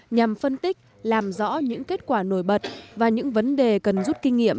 nhằm phân tích làm rõ những kết quả nổi bật và những vấn đề cần rút kinh nghiệm